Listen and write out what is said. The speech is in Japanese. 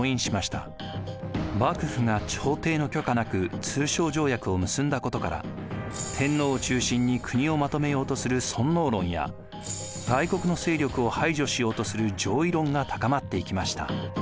幕府が朝廷の許可なく通商条約を結んだことから天皇を中心に国をまとめようとする尊王論や外国の勢力を排除しようとする攘夷論が高まっていきました。